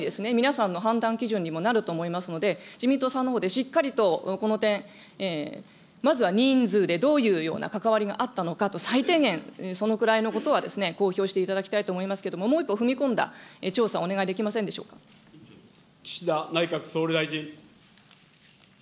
ぜひとも、統一地方選前に皆さんの判断基準にもなると思いますので、自民党さんのほうでしっかりと、この点、まずは人数で、どういうような関わりがあったのか、最低限、そのくらいのことは公表していただきたいと思いますけれども、もう一歩踏み込んだ調査を岸田内閣総理大臣。